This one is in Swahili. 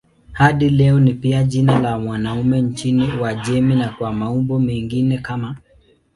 Hadi leo ni pia jina la wanaume nchini Uajemi na kwa maumbo mengine kama